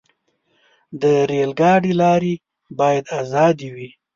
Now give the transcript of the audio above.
د ریل ګاډي لارې باید آزادې وي.